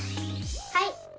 はい！